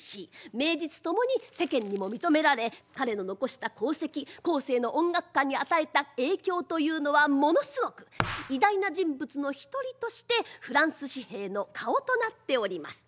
名実共に世間にも認められ彼の残した功績後世の音楽家に与えた影響というのはものすごく偉大な人物の一人としてフランス紙幣の顔となっております。